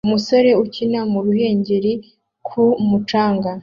umusore ukina mu muhengeri ku mucanga